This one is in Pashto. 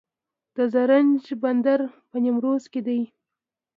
د زرنج بندر په نیمروز کې دی